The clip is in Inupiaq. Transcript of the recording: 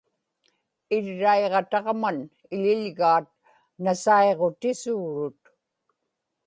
irraiġataġman iḷiḷgaat nasaiġutisuurut